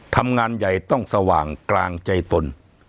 ทำงานใหญ่ต้องสว่างกลางใจตน